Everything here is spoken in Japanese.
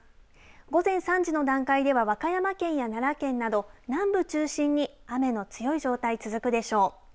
午前３時の段階では和歌山県や奈良県など南部中心に雨の強い状態、続くでしょう。